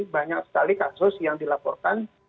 banyak sekali kasus yang dilaporkan